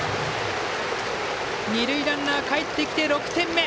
二塁ランナーがかえってきて６点目。